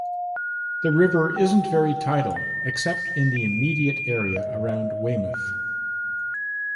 The river isn't very tidal except in the immediate area around Weymouth.